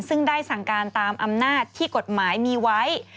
ซึ่งได้สั่งการตามอำนาจที่กฎหมายมีไว้